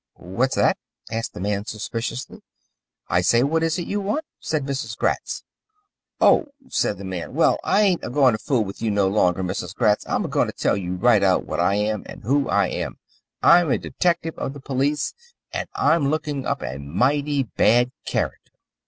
"What's that?" asked the man suspiciously. "I say, what it is you want?" said Mrs. Gratz. "Oh!" said the man. "Well, I ain't a goin' to fool with you no longer, Mrs. Gratz. I'm a goin' to tell you right out what I am and who I am. I'm a detective of the police, and I'm looking up a mighty bad character."